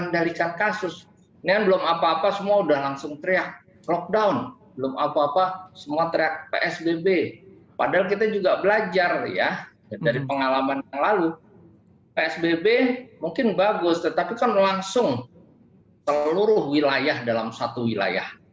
dari pengalaman yang lalu psbb mungkin bagus tetapi kan langsung seluruh wilayah dalam satu wilayah